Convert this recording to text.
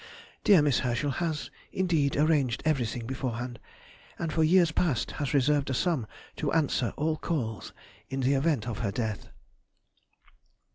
Dear Miss Herschel has, indeed, arranged everything beforehand; and for years past has reserved a sum to answer all calls in the event of her death.